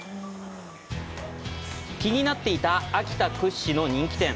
気になっていた秋田屈指の人気店。